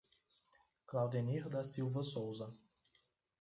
Claudenir da Silva Souza